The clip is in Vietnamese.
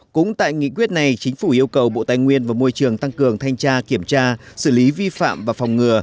cũng tại nghị quyết này chính phủ yêu cầu bộ tài nguyên và môi trường tăng cường thanh tra kiểm tra xử lý vi phạm và phòng ngừa